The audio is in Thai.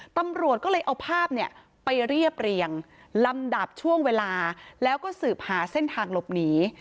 ตำรวจก็เลยเอาภาพเนี่ยไปเรียบเรียงลำดับช่วงเวลาแล้วก็สืบหาเส้นทางหลบหนี